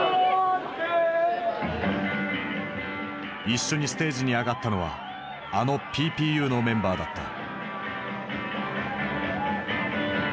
一緒にステージに上がったのはあのＰＰＵのメンバーだった。